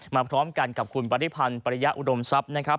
พร้อมกันกับคุณปริพันธ์ปริยะอุดมทรัพย์นะครับ